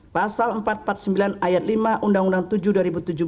pasal empat ratus empat puluh sembilan ayat lima undang undang tujuh dua ribu tujuh belas